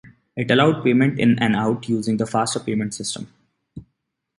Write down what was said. It allowed payments in and out using the faster payments system.